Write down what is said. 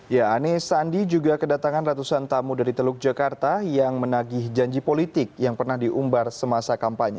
ya anis sandi juga kedatangan ratusan tamu dari teluk jakarta yang menagih janji politik yang pernah diumbar semasa kampanye